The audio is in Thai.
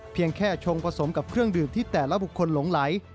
เพียงแค่ชงผสมกับเครื่องดื่มที่แต่ละบุคคลหลงไหล